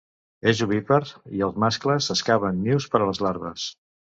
És ovípar i els mascles excaven nius per a les larves.